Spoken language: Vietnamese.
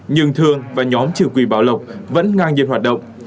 nhưng thường và nhóm chủ quỳ bảo lộc vẫn ngang nhiên hoạt động